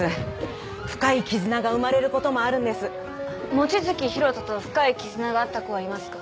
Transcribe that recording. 望月博人と深い絆があった子はいますか？